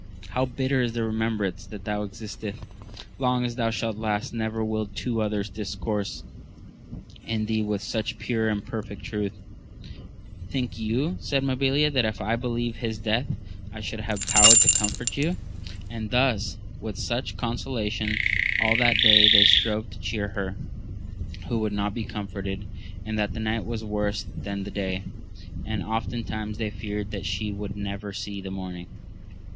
How bitter is the remembrance that thou excitest ! long as thou shalt last, never will two others discourse in thee with such pure and perfect truth ! Think you, said Mabilia, that if I believed his death I should have power to comfort you 1 and thus with such consolation all that day they strove to cheer her who would not be comforted ; and the night was worse than the day, and oftentimes they feared that sfie would never see the morning.